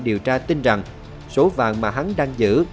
điều tra tin rằng số vàng mà hắn đang giữ